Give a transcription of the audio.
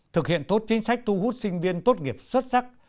thực hiện tốt chính sách tu hút sinh viên tốt nghiệp xuất sắc